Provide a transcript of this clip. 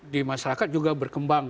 di masyarakat juga berkembang